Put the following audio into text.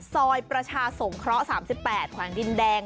ซอยประชาสงเคราะห์๓๘แขวงดินแดง